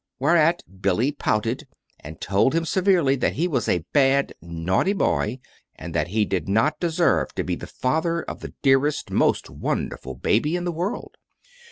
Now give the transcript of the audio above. Whereat Billy pouted, and told him severely that he was a bad, naughty boy, and that he did not deserve to be the father of the dearest, most wonderful baby in the world.